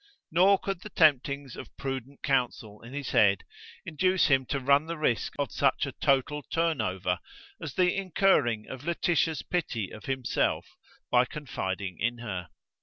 Nor could the temptings of prudent counsel in his head induce him to run the risk of such a total turnover as the incurring of Laetitia's pity of himself by confiding in her.